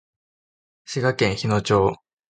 滋賀県日野町